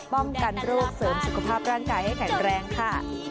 ป้องกันโรคเสริมสุขภาพร่างกายให้แข็งแรงค่ะ